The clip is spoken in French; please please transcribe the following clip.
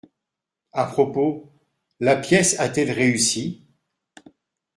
A propos, la pièce a-t-elle réussi ?